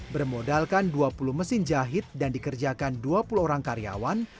bermodalkan dua puluh mesin jahit dan dikerjakan dua puluh orang karyawan